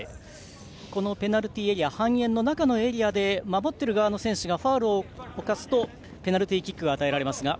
このペナルティーエリア半円の中のエリアで守っている側の選手がファウルを犯すとペナルティーキックですが。